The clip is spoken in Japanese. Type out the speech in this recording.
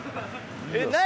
えっ何？